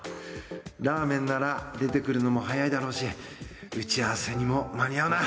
ラーメンなら出てくるのも早いだろうし打ち合わせにも間に合うな。